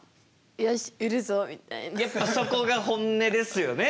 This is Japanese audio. やっぱそこが本音ですよね。